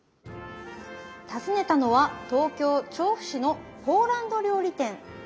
訪ねたのは東京・調布市のポーランド料理店。